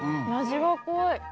味が濃い。